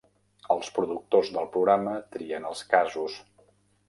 Els productors del programa trien els casos.